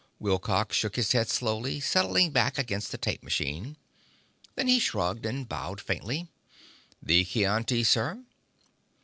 Wilcox shook his head slowly, settling back against the tape machine. Then he shrugged and bowed faintly. "The chianti, sir!"